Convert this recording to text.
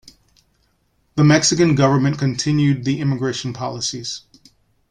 The Mexican government continued the immigration policies.